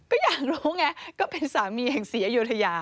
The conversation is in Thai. ก็อยากรู้ไงก็เป็นสามีแห่งศรีอยุธยา